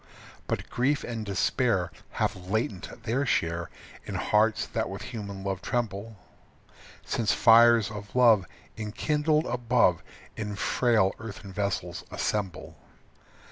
But grief and despair Have latent their share In hearts that with human love tremble, Since fires of love Enkindled above In frail earthen vessels assemble.